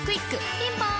ピンポーン